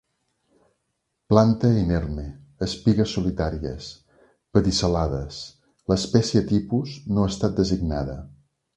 Planta inerme. Espigues solitàries; pedicel·lades. L'espècie tipus no ha estat designada.